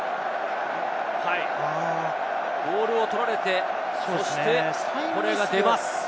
ボールを取られて、そして、これが出ます。